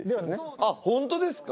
あっ本当ですか？